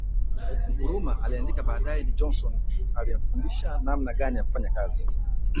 Nkrumah aliandika baadae ni Johnson aliyemfundisha namna gani ya kufanya kazi